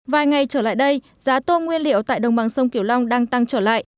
vài ngày trở lại đây giá tôm nguyên liệu tại đồng bằng sông kiểu long đang tăng trở lại